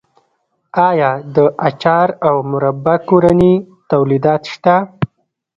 آیا د اچار او مربا کورني تولیدات شته؟